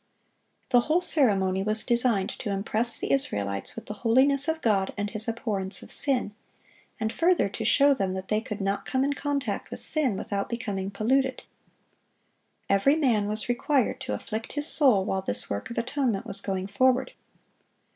The whole ceremony was designed to impress the Israelites with the holiness of God and His abhorrence of sin; and, further, to show them that they could not come in contact with sin without becoming polluted. Every man was required to afflict his soul while this work of atonement was going forward.